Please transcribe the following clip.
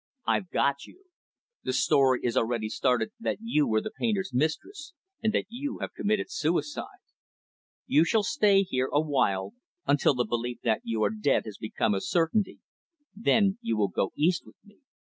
I've got you. The story is already started that you were the painter's mistress, and that you have committed suicide. You shall stay here, a while, until the belief that you are dead has become a certainty; then you will go East with me."